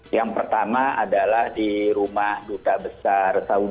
yang pertama adalah di rumah duta besar saudi